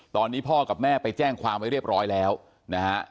ตอนนี้พ่อกับแม่ไปแจ้งความไว้เรียบร้อยแล้วนะฮะ